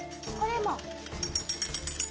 これも。